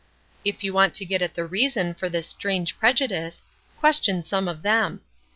If you want to get at the reason for this strange prejudice, question some of them.